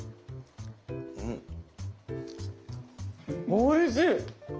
おいしい！